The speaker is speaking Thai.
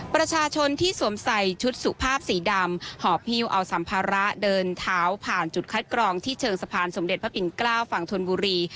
ประชาชนที่สวมใส่ชุดสุภาพสีดำหอบหิ้วเอาสัมภาระเดินเท้าผ่านจุดคัดกรองที่เชิงสะพานสมเด็จพระปิ่นเกล้าฝั่งธนบุรี